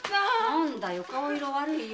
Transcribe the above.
何だよ顔色悪いよ。